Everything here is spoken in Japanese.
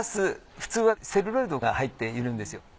普通はセルロイドが入っているんですよ。